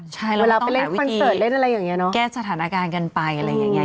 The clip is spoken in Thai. ใช่แล้วต้องหาวิธีแก้สถานการณ์กันไปอะไรอย่างเงี้ย